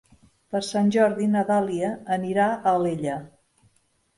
Per Sant Jordi na Dàlia anirà a Alella.